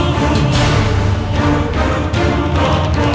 tidak ada apa apa